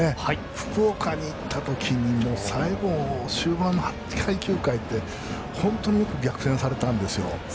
福岡に行ったときに最後、終盤の８回、９回って本当によく逆転されたんです。